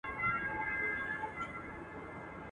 پرهار ته مي راغلي مرهمونه تښتوي.